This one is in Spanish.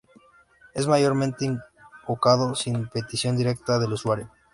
Es mayormente invocada sin petición directa del usuario.